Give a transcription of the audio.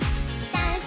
ダンス！